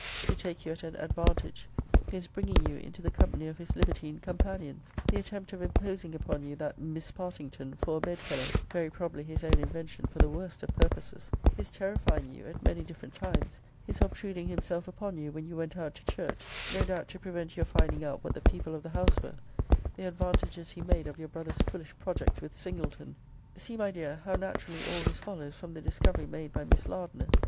to take you >>> at an advantage his bringing you into the com pany of his libertine companions the attempt of imposing upon you that Miss Partington for a bedfellow, very probably his own invention for the worst of purposes his terrifying you at many different times his obtruding himself upon you when you went out to church; no doubt to prevent your finding out what the people of the house were the advantages he made of your brother's foolish project with Singleton. See, my dear, how naturally all this follows from >>> the discovery made by Miss Lardner.